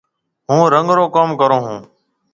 هُون رنگ رو ڪم ڪرون هون۔